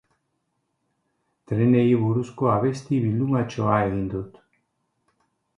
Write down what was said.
Trenei buruzko abesti bildumatxoa egiten dut.